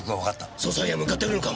捜査員は向かっているのか？